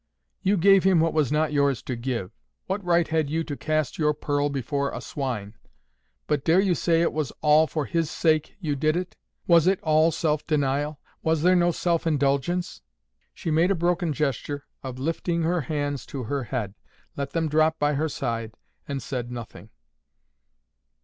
"You gave him what was not yours to give. What right had you to cast your pearl before a swine? But dare you say it was ALL FOR HIS SAKE you did it? Was it ALL self denial? Was there no self indulgence?" She made a broken gesture of lifting her hands to her head, let them drop by her side, and said nothing.